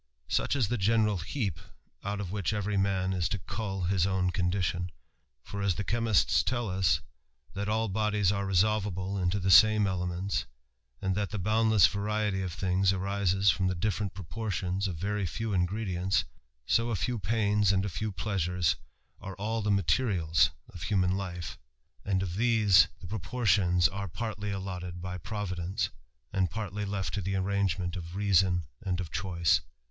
Such is the general heap out of which every man is to coll his own condition : for, as the chemists tell us, that all bodies are resolvable into the same elements, and that the ^—J^OUndless variety of things arises from the diSerent propoi ^Hllpiis of very few ingredients; so a few pains and a few ^^BButucft are all the materials of hunian life, and of these THE RAMBLER. the proportions are partly allotted by Providence, and ijartly left to the arrangement of reason and of choice.